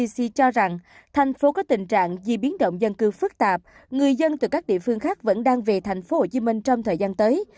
trong tình trạng di biến động dân cư phức tạp người dân từ các địa phương khác vẫn đang về thành phố hồ chí minh trong thời gian tới